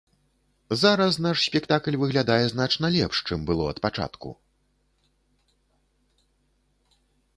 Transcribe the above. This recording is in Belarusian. Зараз наш спектакль выглядае значна лепш, чым было ад пачатку.